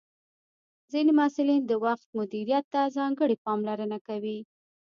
ځینې محصلین د وخت مدیریت ته ځانګړې پاملرنه کوي.